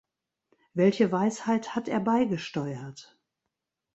Welche Weisheit hat er beigesteuert?